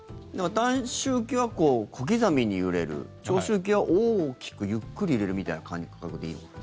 短周期は小刻みに揺れる長周期は大きくゆっくり揺れるみたいな感覚でいいのかな。